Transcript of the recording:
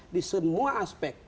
di semua aspek